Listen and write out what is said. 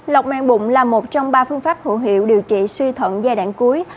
lọc mang bụng là một trong ba phương pháp hữu hiệu điều trị suy thận giai đoạn cuối